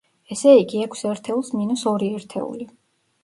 ესე იგი, ექვს ერთეულს მინუს ორი ერთეული.